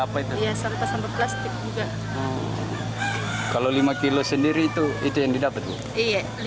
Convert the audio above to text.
ropet sampa sampah plastik kalau lima kilo sendiri itu itu yang didapet lima ribu jadi ini dapat sabun